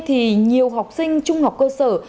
thì nhiều học sinh trung học cơ sở